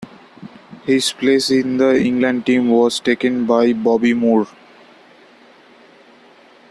His place in the England team was taken by Bobby Moore.